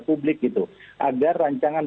publik gitu agar rancangan